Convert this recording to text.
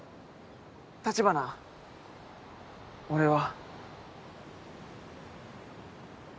橘俺は。